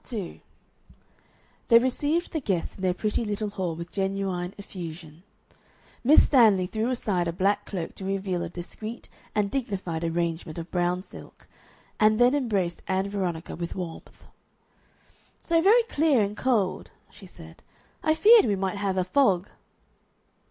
Part 2 They received the guests in their pretty little hall with genuine effusion. Miss Stanley threw aside a black cloak to reveal a discreet and dignified arrangement of brown silk, and then embraced Ann Veronica with warmth. "So very clear and cold," she said. "I feared we might have a fog."